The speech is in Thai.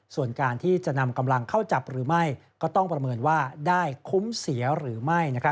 ส่วนการที่จะนำกำลังเข้าจับหรือไม่ก็ต้องประเมินว่าได้คุ้มเสียหรือไม่